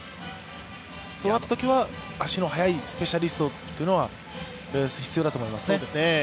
そうなったときは足の速いスペシャリストは必要だと思いますね。